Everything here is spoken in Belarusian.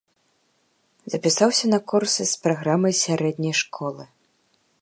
Запісаўся на курсы з праграмай сярэдняй школы.